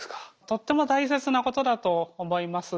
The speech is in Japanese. とっても大切なことだと思います。